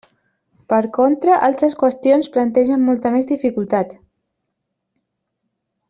Per contra, altres qüestions plantegen molta més dificultat.